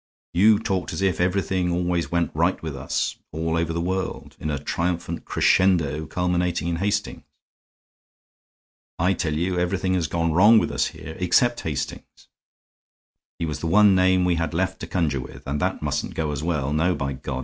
You talked as if everything always went right with us all over the world, in a triumphant crescendo culminating in Hastings. I tell you everything has gone wrong with us here, except Hastings. He was the one name we had left to conjure with, and that mustn't go as well, no, by God!